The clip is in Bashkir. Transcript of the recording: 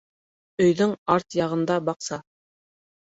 Өйҙөң арт яғында баҡса